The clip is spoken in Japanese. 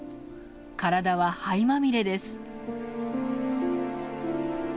体は灰まみれです。